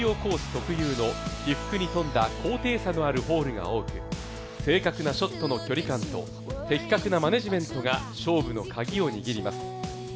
特有の起伏に富んだ、高低差のあるホールが多く正確な距離感のショットと、的確なマネジメントが勝負のカギを握ります。